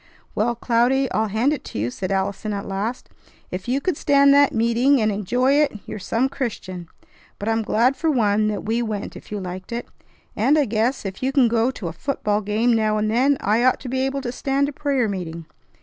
"Well, Cloudy, I'll hand it to you," said Allison at last. "If you could stand that meeting and enjoy it, you're some Christian! But I'm glad for one that we went if you liked it; and I guess, if you can go a football game now and then, I ought to be able to stand a prayer meeting.